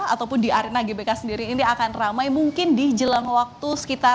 ataupun di arena gbk sendiri ini akan ramai mungkin di jelang waktu sekitar